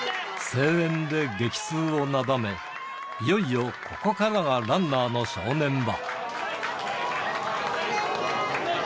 声援で激痛をなだめ、いよいよここからがランナーの正念場。